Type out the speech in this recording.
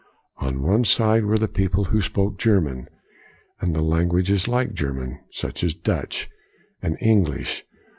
On one side were the people who spoke German, and languages like German, such as Dutch and English.